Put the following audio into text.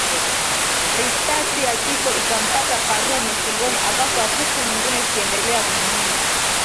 Risasi ya kifo ikampata Karume shingoni akafa huku nyingine zikiendelea kumiminwa